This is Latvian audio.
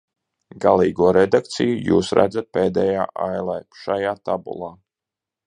Galīgo redakciju jūs redzat pēdējā ailē šajā tabulā.